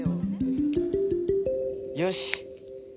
よし。